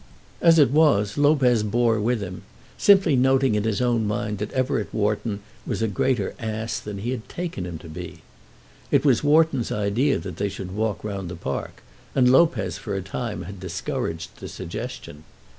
As it was, Lopez bore with him, simply noting in his own mind that Everett Wharton was a greater ass than he had taken him to be. It was Wharton's idea that they should walk round the park, and Lopez for a time had discouraged the suggestion.